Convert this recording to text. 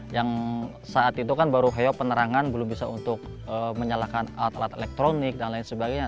yang saat itu kan baru heok penerangan belum bisa untuk menyalakan alat alat elektronik dan lain sebagainya